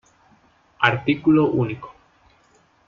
Artículo único.